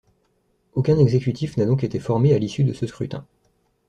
Aucun exécutif n'a donc été formé à l'issue de ce scrutin.